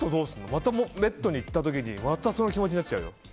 またベッドに行った時にまたその気持ちになっちゃうよ。